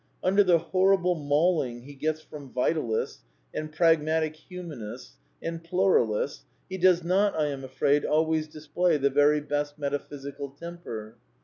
Under the horrible mauling he gets from vitalists, and pragmatic humanists, and pluralists, he does not, I am afraid, always display the very best metaphysical temper.